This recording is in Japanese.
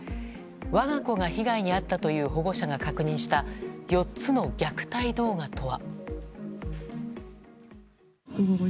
我が子が被害に遭ったという保護者が確認した４つの虐待動画とは。